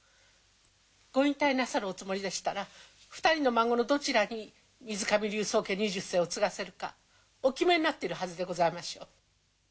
ご引退なさるおつもりでしたら２人の孫のどちらに水上流宗家２０世を継がせるかお決めになってるはずでございましょう。